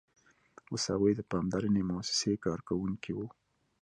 اوس هغوی د پاملرنې موسسې کارکوونکي وو